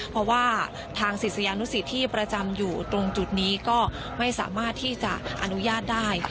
เพราะว่าทางศิษยานุสิตที่ประจำอยู่ตรงจุดนี้ก็ไม่สามารถที่จะอนุญาตได้